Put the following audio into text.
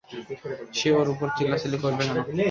সে ওর উপর চিল্লাচিল্লি করবে কেন, সে কেবলমাত্র ছাত্র!